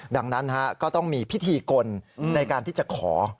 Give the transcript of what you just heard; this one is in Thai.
ดังนั้นก็ต้องมีพิธีกลในการที่จะขอ